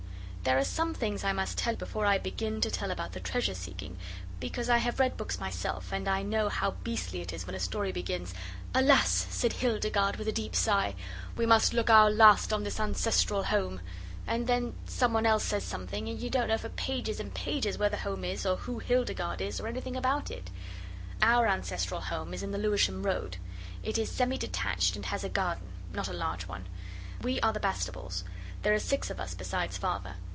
There are some things I must tell before I begin to tell about the treasure seeking, because I have read books myself, and I know how beastly it is when a story begins, "'Alas!" said Hildegarde with a deep sigh, "we must look our last on this ancestral home"' and then some one else says something and you don't know for pages and pages where the home is, or who Hildegarde is, or anything about it. Our ancestral home is in the Lewisham Road. It is semi detached and has a garden, not a large one. We are the Bastables. There are six of us besides Father.